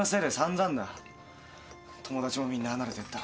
友達もみんな離れてった。